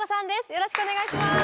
よろしくお願いします。